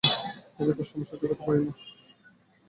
তাদের কষ্ট আমি সহ্য করতে পারি না।